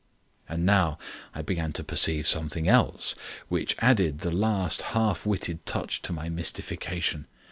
And now I began to perceive something else, which added the last half witted touch to my mystification.